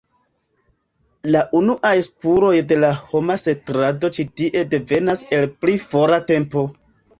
La unuaj spuroj de la homa setlado ĉi tie devenas el pli fora tempo.